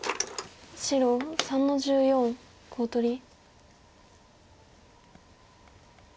白３の十四コウ取り。